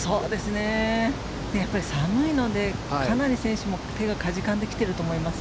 やっぱり寒いのでかなり選手も手がかじかんできていると思います。